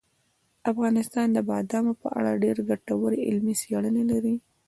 افغانستان د بادامو په اړه ډېرې ګټورې علمي څېړنې لري.